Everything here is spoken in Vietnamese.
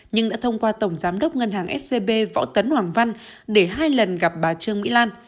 nhưng đã thông qua tổng giám đốc ngân hàng scb võ tấn hoàng văn để hai lần gặp bà trương mỹ lan